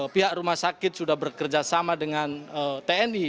pihak rumah sakit sudah bekerjasama dengan tni